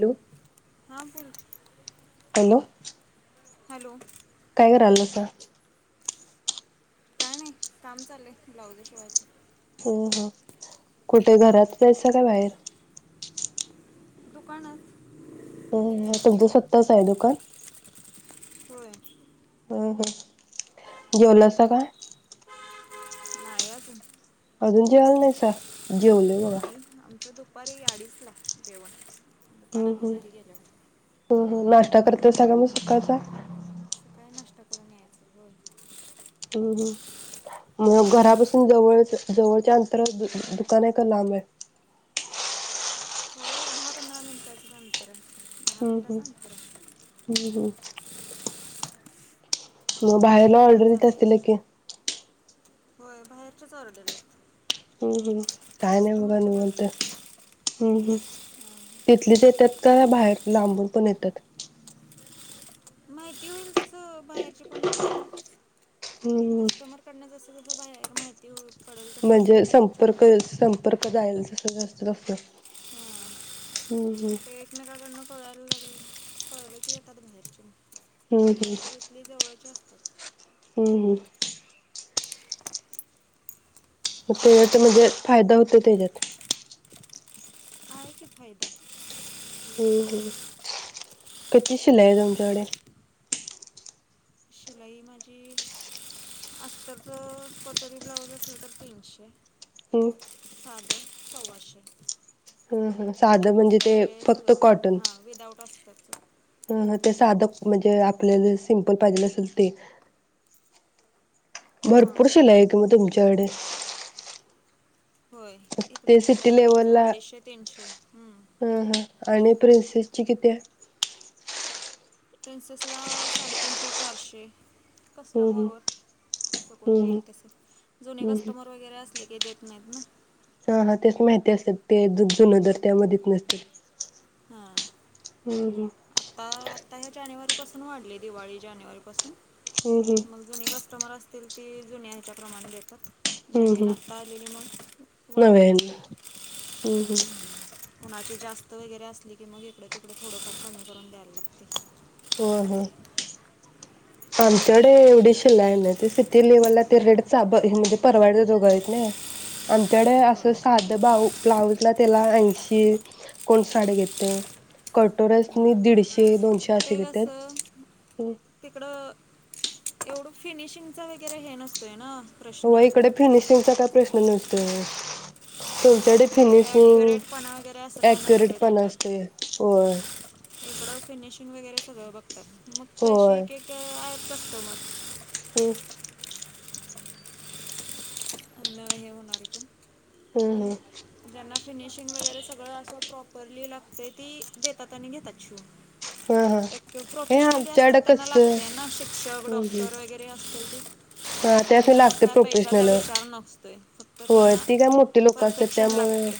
Hello हां बोल hello [inaudible] hello काय करायलासा काय नाही काम चालय ब्लाउज शिवायच हो हो कुठे घरातच हायसा काय बाहेर दुकानात हम्म तुमचं स्वतःचं हाय दुकान होय हा हा जेवलासा काय? [inaudible] अजून तू जेवायला नाहीसा जेवलोय बघा नाही आमचं दुपारी अडीचला जेवण हम्म दुकानात ना हम् घरी गेल्यावर हम् हम नाश्ता करत तर सगळ्यांना सुखाचा सकाळी नाश्ता करून यायचं होय हम्म हम्म. मग घरापासून जवळच जवळच्या अंतरात दुकान आहे का लांब आहे. थोडं एक दहा पंधरा मिनिटाच अंतराय हम्म हम्म हम्म हम्म मग बाहेरन बाकी काय ऑर्डर येत चाललंय असतील्या की होय बाहेरच्याच ऑर्डरी येत्या हम्म हम्म काय नाही बघा निवांत असतात हम्म हम्म तिथलीच येत्यात का बाहेर लांबून पण येत्यात माहिती होईल तस बाहेरची पण येत्यात हम्म हम्म तिकडन कसं कसं बाहे माहिती होई म्हणजे संपर्क संपर्क जायचा जास्त असत एकमेकाकडन कळालं हम्म पळवती येतात बाहेरचे हम्म हम्म नाहीतर इथली जवळची अस हम्म हम्म तेवढ्यात म्हणजे फायदा होतोय त्याज्यात आहे फायदा हम्म हम्म किती शिलाईये तुमच्याकडे शिलाई माझी अस्तरच कटोरीचं ब्लाऊज असेल तर तीनशे हो साध सव्वाशे ह ह साध म्हणजे अस्तर ते वगैरे फक्त सगळं माझं कॉटन हां विदाऊट अस्तरचं ह ते साधं म्हणजे आपल्याला सिम्पल पाहिजेलं असेल ते हां भरपूर शिलाई आहे की मग तुमची जड होय इकड शिलाई तशीच अडीचशे तीनशे. प्रिंसिसची किती आहे? प्रिन्सेस ला साडेतीनशे चारशे. हम्म कस्टमर वर कस कोण हम्म हम्म देईल तस जुने हम्म हम्म कस्टमर वगैरे असले की... [unintelligible] [unintelligible] हा हम्म हम्म आता आता ह्या जानेवारी..... पासून वाढले दिवाळी जानेवारी पासून.... हम्म हम्म मग जुने कस्टमर.... ती जुन्या ह्याच्या प्रमाणे देतात. हम्म नवीन आता हम्म आलेली मग वाढवून... नव्याने हम्म हम्म कुणाचे जास्त वगैरे अस..... की मग इकडे तिकडे थोडंफार कमी करून द्यायला लागते. होय होय आमच्याकडे एवढी शिलाई नाही ते सिटी लेवलला ते रेट म्हणजे परवडाय जोघा हायत नाही आमच्याकडे होय असं साध बाऊ ब्लाउजला त्याला ऐंशी कोण साठ घेतय कटोरस हां दीडशे दोनशे.... असे ते कस घेतात तिकडं.... एवढं फिनिशिंगच वगैरे हे नसतोय ना. हो प्रश्न इकडे फिनिशिंगचा काय प्रश्न नसतो. [unintelligible] ॲक्युरेटपणा वगैरे असं फिनिशिंग एक्युरेट नसतोय पण त्याच्यात असतय होय. इकडं फिनिशिंग वगैरे सगळ बघतात. फक्त अशी होय एकेक.... [unintelligible] हम् [unintelligible] हम हम पण ज्यांना फिनिशिंग वगैरे सगळं असं प्रॉपरली लागतय ती देतात आणि घेतात शिवून. हा हा एक हे प्रोफेशनली असतात आमच्याकडं त्यांना कसं लागतय ना शिक्षक हम्म डॉक्टर हम्म वगैरे असतील ते... हा त्यासनी त्यांचा मग लागत्यात काय पैशाचा प्रोफेशनल. विचार नसतोय. फक्त होय त्यांना ती काय मोठीे लोक असत्यात परफेक्शन त्यामुळे, लागते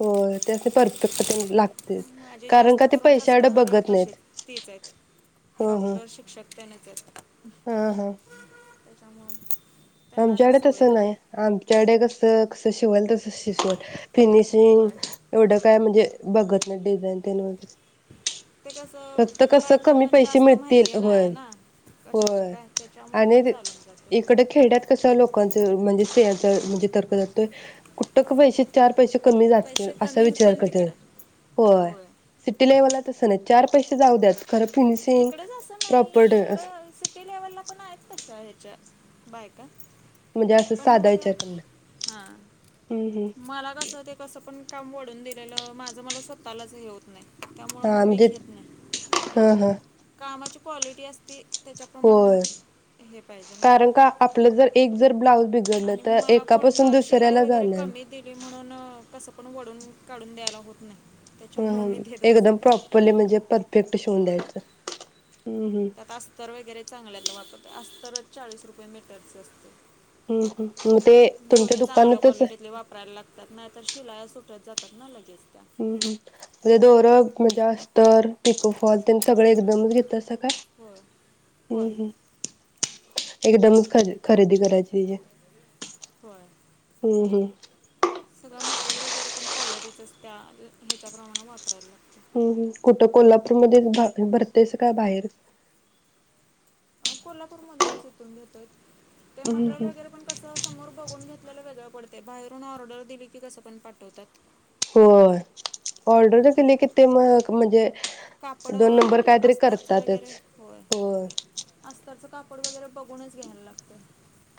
होय त्यासनी परफेक्ट तेन लाग माझे जास्त करून कस्टमर नाहीत तसेच तेच आहेत. ह ह डॉक्टर शिक्षक तेनच आहेत. हा हा त्यामुळं आमच्याकडे तस नाही आमच्याकडे कस त शिवायल तसं शिजवाल फिनिशिंग होय एवढं काय म्हणजे बगत नाहीत डिझाइन तेन वगैरे. [unintelligible] फक्त कसं कस कमी बायकांना पैसे जास्त मिळतील, माहिती नाही होय आहे ना कशाचे होय काय त्याच्यामुळे ते आणि चालून जाते इकड खेड्यात कस लोकांच म्हणजे सेजल म्हणजे तर कुठ पैसे चार पैसे कमी जातील पैसे असा कमी विचार होतील करतील. तिकडं होय सीटी लेवल ला तस नाही चार पैसे जाऊ द्यात. खरं फिनिशिंग तिकडेच असं प्रॉपर्ट नाही इकड सिटी लेवल ला पण आहेत तशा आहे च्या बायका. म्हणजे असं पण साधा मग विचार करणं. हा हम्म हम्म. मला कस ते कसं पण काम वाढून दिलेलं, माझं मला स्वतःलाच हे होत नाही. त्यामुळं हा मग मी म्हणजेच घेत नाही हा हा. कामाची क्वालिटी अस होय. पाहिजे ना कारण का आपल जर एक जर ब्लाउज आणि मला कोण शिलाई वगैरे जाणार. कमी दिली म्हणून असं पण वडून काढून द्यायला होत नाही. हम त्याच्यामुळं ह मी देत एकदम बसत नाही प्रॉपरली म्हणजे परफेक्ट शिवून होय द्यायचं. हम्म हम्म. चांगल्यातल वापरतोय. अस्तरच चाळीस रुपये मीटरच असते. हम्म हम्म मग ते तुमच्या दोरे दुकानातच तर शिलाया सुटत जातात ना लगेच. त्या हम्म हम्म जर दोर मजे अस तर पिको फॉल तेन सगळ एकदमच घेतासा काय? होय हम्म होय हम्म. एकदमच ख खरेदी करायची तेजी. होय हम्म हम्म. सगळं मटेरियल वगैरे पण क्वालिटीच असत्या, ह्याच्याप्रमाणे वापरायला लागतं हम्म हम्म कुठं कोल्हापूरमध्ये भरतेसा, का बाहेर? कोल्हापूर मधूनच इथून घेतोय. ते हम्म मटेरियल हम्म वगैरे पण कसं समोर बघून घेतलेलं वेगळं पडते बाहेरून ऑर्डर दिली की कसं पण पाठवतात. होय ऑर्डर तर दिली कि ते म म्हणजे कापड दोन नंबर अ कायतरी अस्तरच वगैरे करतातच होय अस्तरचं कापड पड वगैरे बघूनच घ्यायला लागतं.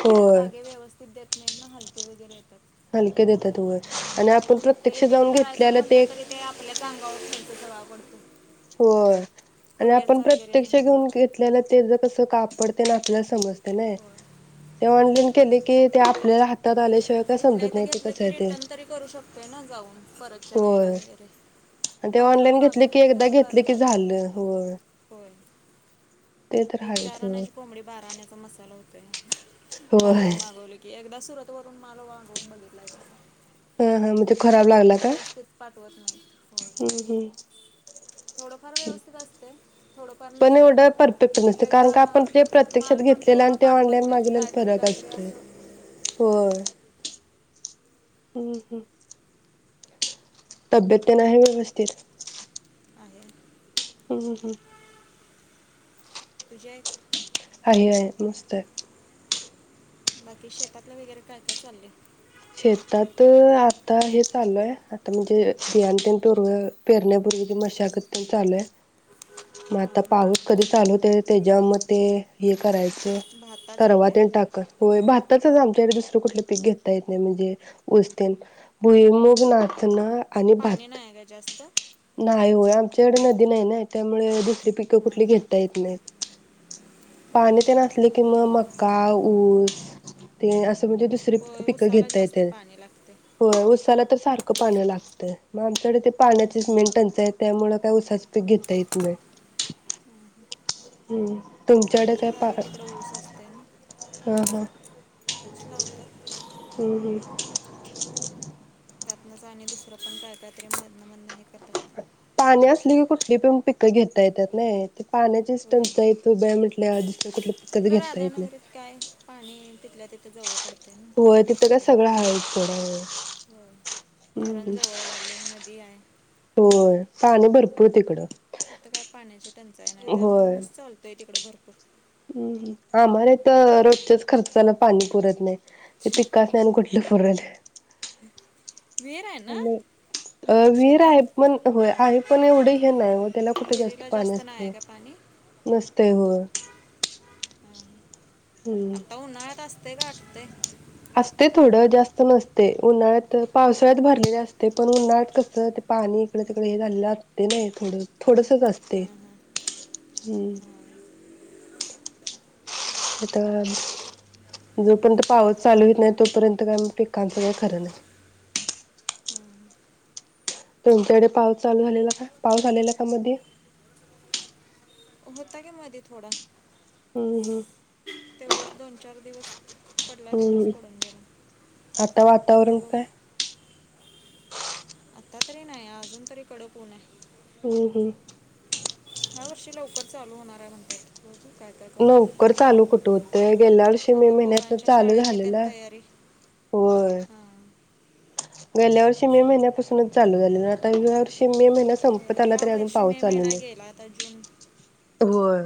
होय धागे व्यवस्थित देत् ना हलके वगैरे येतात. हलके देतात होय आणि आपण मग ते प्रत्यक्ष रिटर्न जाऊन घेतलेलं ते वेगळा पडतो. होय आणि आपण कुरिअरचा वगैरे प्रत्यक्ष घेऊन घेतलेला ते ज कसं कापड त्यानी आपल्याला समजते ना होय. ते ऑनलाईन केले की आपल्याला आल्याशिवाय काय इथल्या समजत इथ नाही ते घेतलं कसं की आहे ते रिटर्न तरी करू शकतोय ना जाऊन परत होय आणि ते ऑनलाईन घेतले मागवलं की एकदा तसं घेतले करता की येत झालं नाही. होय. होय. तर ते आहेच चार होय आण्याची कोंबडी बारा आण्याचा मसाला होत होय बाहेरून मागवली की, एकदा सुरतवरून पण मला [inaudible] बघितलाय तसं हा हा मग ते खराब लागला का व्यवस्थित पाठवत नाही होय हम्म हम्म. थोडंफार व्यवस्थित असते. थोडंफार पण नसते एवढं परफेक्ट एक नसतं एकदा कारण का आपण ते प्रत्यक्षात माल पण घेतलेलं पूर्ण आणि ते पाठवत ऑनलाईन नाहीत मागवलेलं काहीतरी फरक काहीतरी असतोय, असं होय हम्म हम् तब्येत ते आहे ना व्यवस्थित? आहे हम हम तुझ्या आहे आहे मस्त आहे. बाकी शेतातलं वगैरे काय काय चाललंय? शेतात अ आता हे चालू आहे आता म्हणजे बियाणं प पर पेरण्या पूर्वीची मशागत पण चालूय मग हां आता हां पाऊस कधी चालू होतोय त्याच्या म ते हे करायचं. [inaudible] भाताचं आहे काय टाकत होय भाताचं ते एक दुसरं कुठलं पिक घेता येत म्हणजे उस्तेन् भुईमुग, नाचणं आणि पाणी भात नाही आहे का जास्त नाय होय आमच्याकडं नदी नाही ना त्यामुळे दुसरी पिकं हां कुठली हां घेता येत नाहीत, हां पाणी ते नसले कि म मका ऊस ते असं म्हणजे दुसरी होय उसाला घेता जास्त येतंय पाणी लागते होय ऊसाला तर सारखं पाणी लागतं मग आमच्याकडे ते पाण्याचीच मेन टंचाई आहे त्यामुळं काय उसाचं पीक घेता येत नाही हम् आमच्या गावी तिकड ऊस असत ना हा हा ऊस लावतात हो ह त्यातनंच आणि दुसरं पण कळतात ते मधन मनन हे करतात पाणी असली की कुठली पिण पिकं घेता येतात नाही ते पाण्याची स्टं होय य तो ब्या म्हट आपस कुठ तिकडं राधाानगरीत काय पाणी तिथल्या तिथे जवळ पडतं होय नदीच तिथं काय वगैरे सगळं हायच सोडा होय. हो हम्म धरण हम्म जवळ लागल नदी आहे होय पाणी भरपूर तिकडं तिथ काय पाण्याची टंचाई नाही त्यामुळे होय. ऊस चालतोय तिकडे भरपूर हम्म आम्हाला तर रोजच्याच खर्चाला पाणी पुरत नाही ते तिककाच नाही कुठलं फरल हम अ वीर आहे शेतात पण होय आहे पण एवढे हे नाही त्याला कुठे जास्त विहिरीला पाणी नाही आहे असते का पाणी नसतय हो हां. आता ना दसते का ठ ते असते थोडं जास्त नसते उन्हाळ्यात पावसाळ्यात भरलेले असते पण उन्हाळ्यात कसं ते पाणी इकड तकडे हे झालेलं असते नाही थोडं थोडस असते हां हां हम्म आता जोपर्यंत पाऊस चालू येत नाही तोपर्यंत काय पिकांचं का खरं नाही हां तुमच्याकडे पाऊस चालू झालेला का पाऊस आलेला का मध्ये होता का मध्ये थोडा हम् हम् तेवढंच दोन चार दिवस पडला तेवढाच हम्म पडून गेला आता आता वातावरण बघ काय आता तरी नाही अजून तरी कडकऊण आहे हम् हम् या्या वर्षी लवकर चालू होणार आहे म्हणतायेत नवकर चालू कुठ होते गेल्या वर्षी मे आता महिन्यात पोरांच्या चालू शाळेची त्यान झालेलं तयारी होय हां गेल्या वर्षी मे महिन्यापासूनच चालू झाले आता या वर्षी मे महिन्या संप ह्या वर्षी मे महिना गेला आता जून होय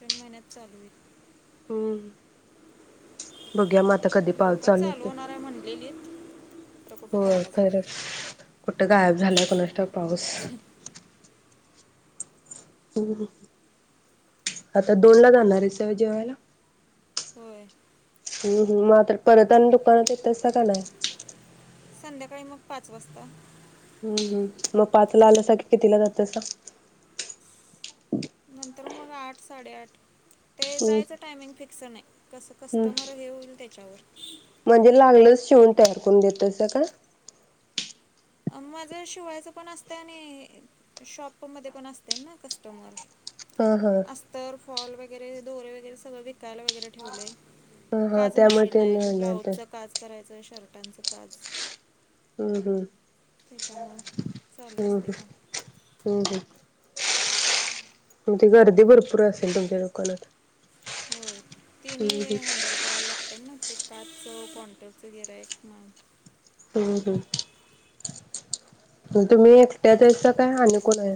जून महिन्यात चालू आहे ह् बघ्या मात लवकर चालू होणार आहे म्हणटलेली हो खर कुठ गायब झाला एकोणासठ पाऊस नाही ह् आता दोन ला जाणार आहे सवय जेवायला होय हम्म हम मात्र परत दुकानात येतचता का नाही संध्याकाळी मग पाच वाजता हम्म हम् मग पाचला आलं कितिला जातस नंतर मग आठ साडेआठ. ते हम्म जायच टायमिंग फिक्स नाही. कस हम्म कस्टमर हे होईल त्या.. [inaudible] म्हणजे लागलच शिवून तयार करून देत अस का. माझ शिवायच पण असत आणि शॉप मध्ये पण असते ना कस्टमर. हा हा हॉल वगैरे दोर वगैरे सगळे वि त्याला वेगळे ठेवले हा हा काच त्यामुळे मशीन ते आहे नाही ब्लाउज ते च काच करायच. [inaudible] शर्टांच काच हम् हम् त्याच्यामुळ चालू असते का? हम्म हम्म मग त गर्दी भरपूर असेल तुमच्या दुकानात. होय तिनी हम्म हे हम्म हँडल करायला लागत. [inaudible] हम् हम हम् तुम्ही एकट्या द्यायसा काय आणि कोन आहे.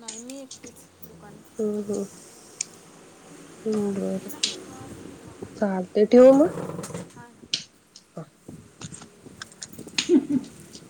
नाही मी एकटेच दुका हम् हम्म.. ह् बर चाल ते ठेवू मग. हां ह